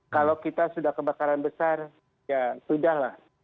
kalau kita sudah kebakaran besar ya sudah lah